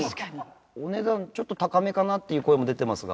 お値段ちょっと高めかなっていう声も出てますが。